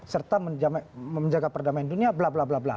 serta menjaga perdamaian dunia bla bla bla bla